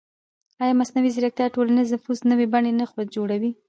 ایا مصنوعي ځیرکتیا د ټولنیز نفوذ نوې بڼې نه جوړوي؟